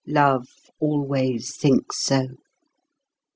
(Love always thinks so.)